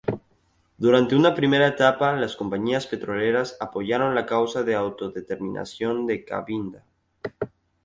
Durante una primera etapa, las compañías petroleras apoyaron la causa de autodeterminación de Cabinda.